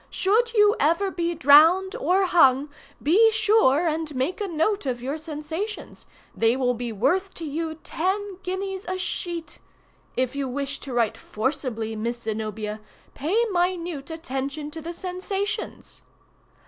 Should you ever be drowned or hung, be sure and make a note of your sensations—they will be worth to you ten guineas a sheet. If you wish to write forcibly, Miss Zenobia, pay minute attention to the sensations."